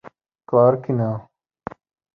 Claro que não